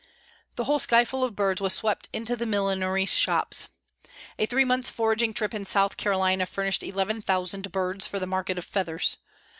The whole sky full of birds was swept into the millinery shops. A three months foraging trip in South Carolina furnished 11,000 birds for the market of feathers.